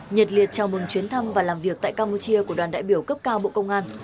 nhật liệt chào mừng chuyến thăm và làm việc tại campuchia của đoàn đại biểu cấp cao bộ công an